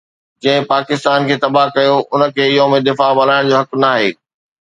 جنهن پاڪستان کي تباهه ڪيو ان کي يوم دفاع ملهائڻ جو حق ناهي